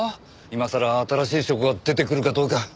今さら新しい証拠が出てくるかどうか。